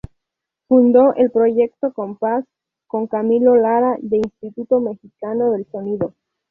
Fundó el proyecto Compass con Camilo Lara de Instituto Mexicano del Sonido.